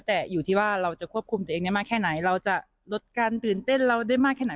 แต่อยู่ที่ว่าเราจะควบคุมตัวเองได้มากแค่ไหนเราจะลดการตื่นเต้นเราได้มากแค่ไหน